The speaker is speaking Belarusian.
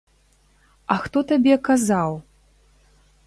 А хто табе казаў?